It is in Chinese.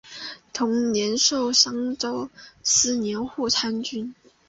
同年授澶州司户参军。